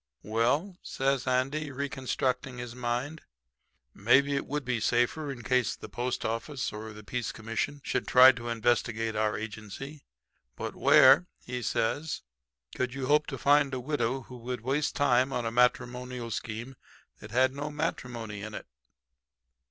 "'Well,' says Andy, reconstructing his mind, 'maybe it would be safer in case the post office or the peace commission should try to investigate our agency. But where,' he says, 'could you hope to find a widow who would waste time on a matrimonial scheme that had no matrimony in it?'